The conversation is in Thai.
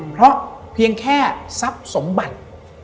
เพราะเพียงแค่ทรัพย์สมบัติ